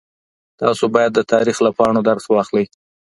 تاسو بايد د تاريخ له پاڼو درس واخلئ.